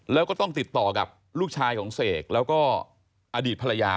แล้วก็ต้องติดต่อกับลูกชายของเสกแล้วก็อดีตภรรยา